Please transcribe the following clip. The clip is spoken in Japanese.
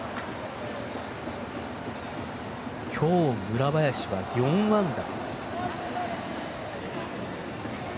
今日、村林は４安打。